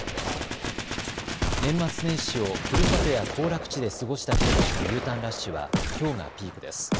年末年始をふるさとや行楽地で過ごした人たちのＵターンラッシュはきょうがピークです。